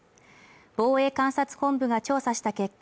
防衛監察本部が調査した結果